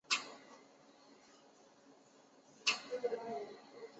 今台东县长滨乡。